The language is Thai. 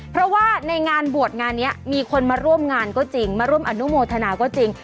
เพราะว่าในงานบวชงานนี้มีคนมาร่วมงานก็จริงมาร่วมอนุโมทนาก็จริง